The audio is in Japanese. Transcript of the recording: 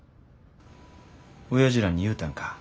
おやじらに言うたんか